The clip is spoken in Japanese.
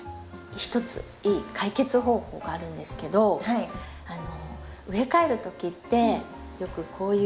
ひとついい解決方法があるんですけど植え替える時ってよくこういう。